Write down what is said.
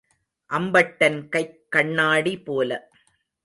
அம்பட்டன் கைக் கண்ணாடி போல.